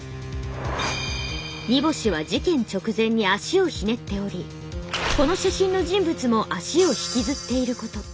荷星は事件直前に足をひねっておりこの写真の人物も足を引きずっていること。